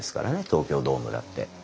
東京ドームだって。